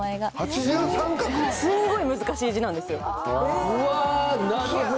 すごい難しい字なんですよ。